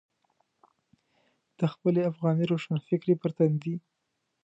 د خپلې افغاني روښانفکرۍ پر تندي.